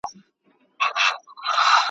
په قفس پسي یی وکړل ارمانونه `